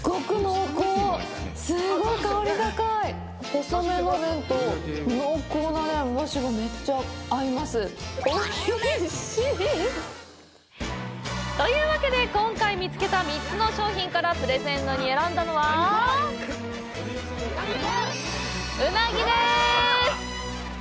おいしい！というわけで、今回見つけた３つの商品からプレゼントに選んだのはうなぎでーす！